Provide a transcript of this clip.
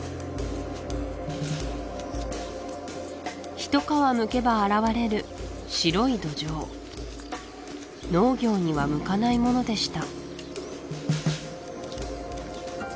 一皮むけば現れる白い土壌農業には向かないものでした